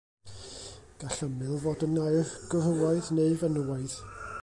Gall ymyl fod yn air gwrywaidd neu fenywaidd.